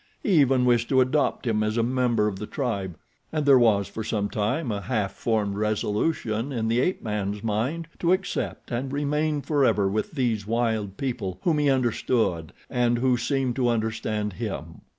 He even wished to adopt him as a member of the tribe, and there was for some time a half formed resolution in the ape man's mind to accept and remain forever with these wild people, whom he understood and who seemed to understand him.